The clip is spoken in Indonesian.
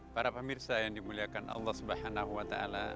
para pemirsa yang dimuliakan allah swt